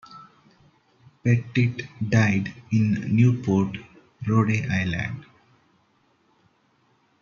Pettitt died in Newport, Rhode Island.